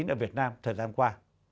ở việt nam thời gian qua